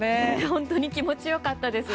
本当に気持ち良かったです。